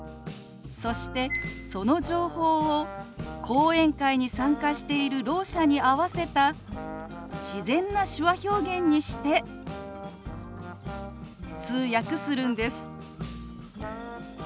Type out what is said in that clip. そしてその情報を講演会に参加しているろう者に合わせた自然な手話表現にして通訳するんです。